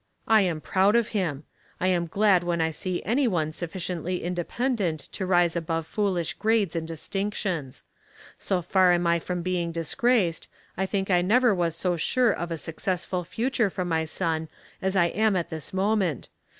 I am proud of him. I am glad when I see any one iiufficiently independent to rise above foolish grades and distinctions. So far am I from being disgraced, I think I never was so sure of a suc cessful future for my son as I am at this moment.